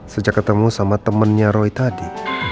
sejak ketemu sama temannya roy tadi